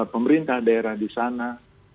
pemerintah daerah di sana